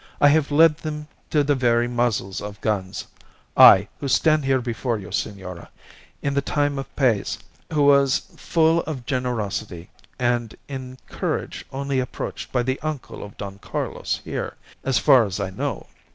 I have led them to the very muzzles of guns I, who stand here before you, senora in the time of Paez, who was full of generosity, and in courage only approached by the uncle of Don Carlos here, as far as I know.